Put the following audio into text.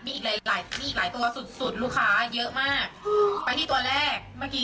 มีอีกหลายตัวสุดลูกค้าเยอะมาก